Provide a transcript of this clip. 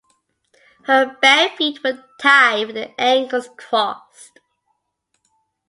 Her bare feet were tied with the ankles crossed.